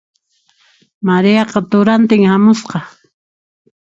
Mariaqa turantin hamusqa.